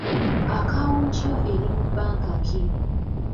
Akaawunti yo eri mu banka ki?